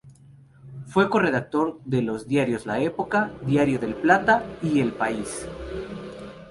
Fue co-redactor de los diarios "La Época", "Diario del Plata" y "El País".